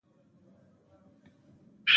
تیاره کله ځي؟